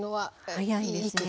早いですねはい。